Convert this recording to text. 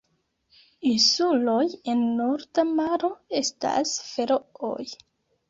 Insuloj en Norda maro estas Ferooj.